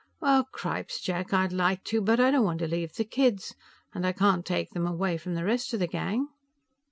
"Well, cripes, Jack, I'd like to, but I don't want to leave the kids. And I can't take them away from the rest of the gang."